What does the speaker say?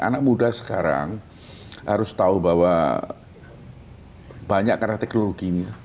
anak muda sekarang harus tahu bahwa banyak karena teknologinya